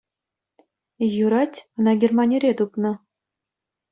Юрать, ӑна Германире тупнӑ.